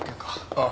ああ。